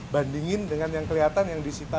bandingin dengan yang kelihatan yang disita